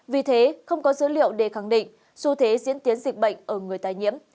vì thế không có dữ liệu để khẳng định xu thế diễn tiến dịch bệnh ở người tài nhiễm